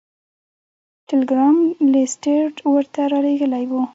ټیلګرام لیسټرډ ورته رالیږلی و.